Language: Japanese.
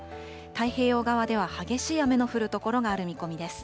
太平洋側では激しい雨の降る所がある見込みです。